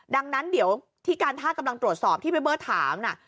ดังนั้นเดี๋ยวที่การท่ากำลังตรวจสอบที่พี่เบิร์ตถาม